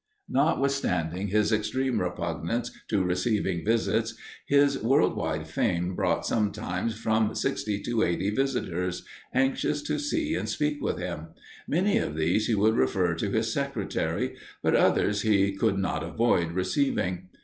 Notwithstanding his extreme repugnance to receiving visits, his world wide fame brought sometimes from sixty to eighty visitors, anxious to see and speak with him; many of these he would refer to his secretary, but others he could not avoid receiving.